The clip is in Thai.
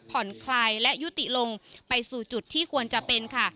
ผ่อนคลายและยุติลงไปสู่จุดที่ควรจะเป็นค่ะ